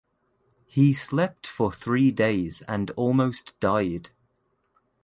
He slept for three days and almost died.